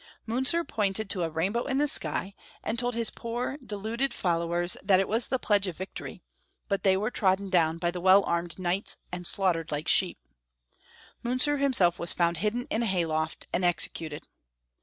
Miinzer pointed to a rainbow in the sky, and told his poor deluded fol 282 Young FolW History of Q ermany. lowers that it was the pledge of victory, but they were trodden down by the well armed knights and slaughtered like sheep. Miinzer himself was found hidden in a hayloft and executed.